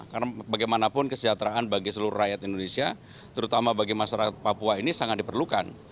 karena bagaimanapun kesejahteraan bagi seluruh rakyat indonesia terutama bagi masyarakat papua ini sangat diperlukan